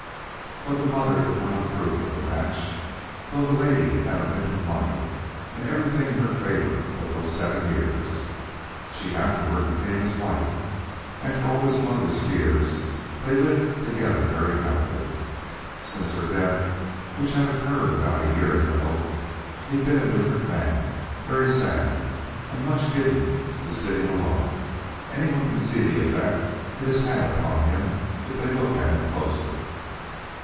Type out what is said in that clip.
But the mother did not approve of the match, though the lady had a mint of money and everything in her favor but those seven years. She afterward became his wife and for all his mother's fears they lived together very happily. Since her death which occurred about a year ago he's been a different man; very sad and much given to sitting alone. Anyone can see the effect it has had upon him if they look at him closely.